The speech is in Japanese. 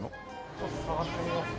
ちょっと探してみます？